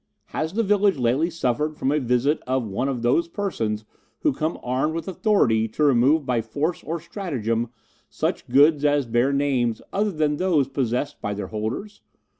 "Has the village lately suffered from a visit of one of those persons who come armed with authority to remove by force or stratagem such goods as bear names other than those possessed by their holders?